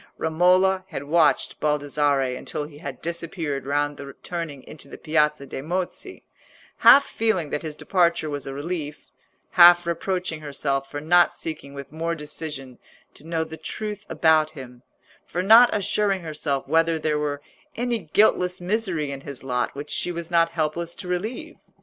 Romola had watched Baldassarre until he had disappeared round the turning into the Piazza de' Mozzi, half feeling that his departure was a relief, half reproaching herself for not seeking with more decision to know the truth about him, for not assuring herself whether there were any guiltless misery in his lot which she was not helpless to relieve.